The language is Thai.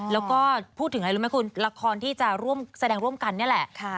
แล้วก็พูดถึงอะไรรู้ไหมคุณละครที่จะร่วมแสดงร่วมกันนี่แหละ